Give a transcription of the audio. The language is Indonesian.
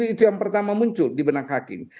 itu yang pertama muncul di benak hakim